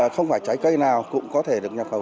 không phải trái cây nào cũng có thể được nhập khẩu